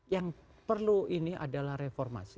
yang perlu ini adalah reformasi